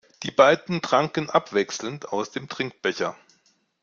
Die beiden tranken abwechselnd aus dem Trinkbecher.